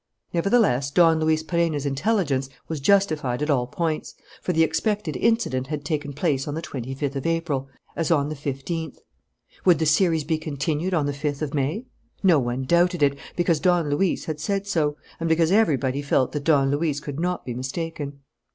Nevertheless, Don Luis Perenna's intelligence was justified at all points, for the expected incident had taken place on the twenty fifth of April, as on the fifteenth. Would the series be continued on the fifth of May? No one doubted it, because Don Luis had said so and because everybody felt that Don Luis could not be mistaken.